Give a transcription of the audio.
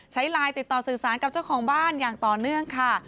ใช้ไลน์ติดต่อสื่อสารกับเจ้าของบ้านอย่างต่อเนื่องค่ะ